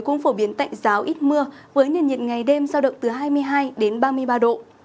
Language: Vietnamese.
cũng phổ biến tạnh giáo ít mưa với nền nhiệt ngày đêm giao động từ hai mươi hai đến ba mươi ba độ